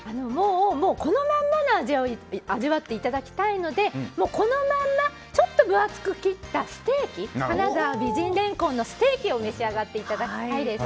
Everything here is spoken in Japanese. このままの味を味わっていただきたいのでこのままちょっと分厚く切ったステーキ金澤美人れんこんのステーキを召し上がっていただきたいです。